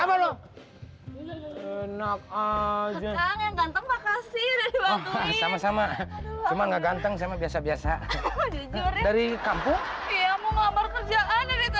enak aja sama sama cuma nggak ganteng sama biasa biasa dari kampung